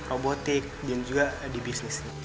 robotik dan juga di bisnis